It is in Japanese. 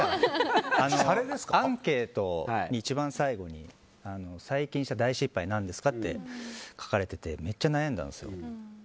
アンケートに一番最後に最近した大失敗は何ですか？って書かれててめっちゃ悩んだんですよ。